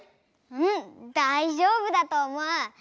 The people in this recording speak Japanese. うんだいじょうぶだとおもう！